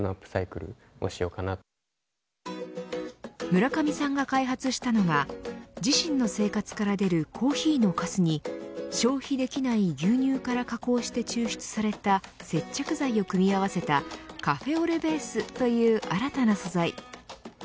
村上さんが開発したのが自身の生活から出るコーヒーのかすに消費できない牛乳から加工して抽出された接着剤を組み合わせたカフェオレベースという新たな素材。